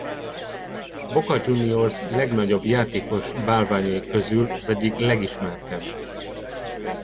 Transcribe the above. Boca Juniors legnagyobb játékos bálványai közül az egyik legismertebb.